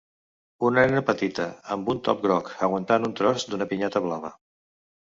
Una nena petita amb un top groc aguantant un tros d'una pinyata blava.